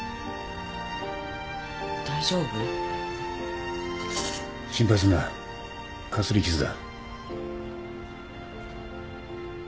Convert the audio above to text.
大丈夫？心配すんなかすり傷だ。